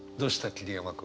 桐山君。